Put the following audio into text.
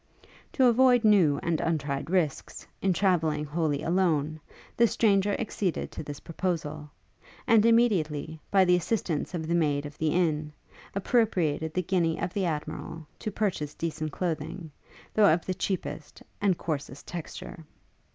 To avoid new and untried risks, in travelling wholly alone, the stranger acceded to this proposal; and immediately, by the assistance of the maid of the inn, appropriated the guinea of the Admiral to purchasing decent clothing, though of the cheapest and coarsest texture.